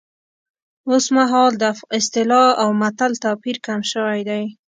اوس مهال د اصطلاح او متل توپیر کم شوی دی